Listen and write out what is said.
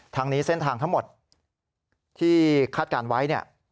ทางนี้เส้นทางทั้งหมดที่คาดการณ์ไว้เนี่ย